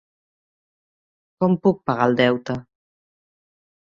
Com puc pagar el deute?